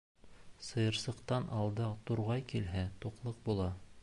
Сыйырсыҡтан алда турғай килһә, туҡлыҡ була.